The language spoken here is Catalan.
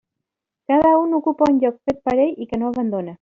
Cada un ocupa un lloc fet per a ell i que no abandona.